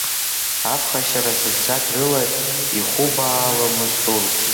Аԥхашьара зынӡак рыла ихубааломызт урҭ.